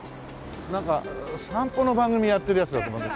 なんか散歩の番組やってるやつだと思う。